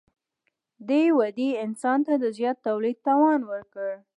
دې ودې انسان ته د زیات تولید توان ورکړ.